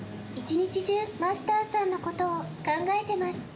「一日中マスターさんの事を考えてます」